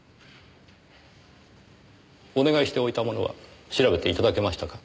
お願いしておいたものは調べて頂けましたか？